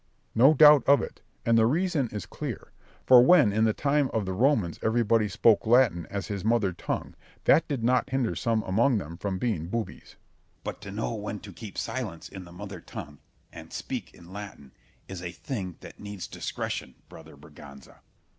Berg. No doubt of it; and the reason is clear; for when in the time of the Romans everybody spoke Latin as his mother tongue, that did not hinder some among them from being boobies. Scip. But to know when to keep silence in the mother tongue, and speak in Latin, is a thing that needs discretion, brother Berganza.